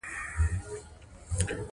بندیزونو لوکسو او تجملي توکو صادراتو ولګول.